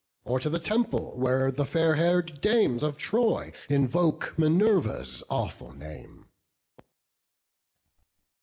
Or to the temple where the fair hair'd dames Of Troy invoke Minerva's awful name?"